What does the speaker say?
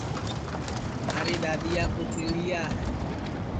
مھاری دؔادؔیا کُو پیݪیا ہے